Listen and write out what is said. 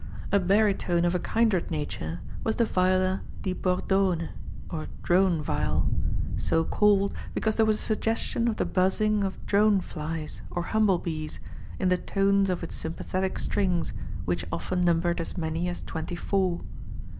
A barytone of a kindred nature was the viola di bordone or drone viol, so called because there was a suggestion of the buzzing of drone flies, or humble bees, in the tones of its sympathetic strings, which often numbered as many as twenty four.